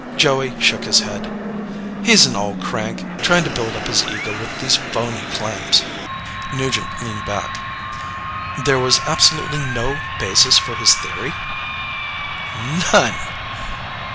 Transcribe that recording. Joey shook his head. "He's an old crank, trying to build up his ego with these phony claims." Nugent leaned back. "There was absolutely no basis for his theory?" "None."